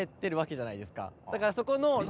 だからそこの。